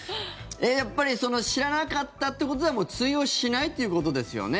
やっぱり知らなかったということではもう通用しないっていうことですよね。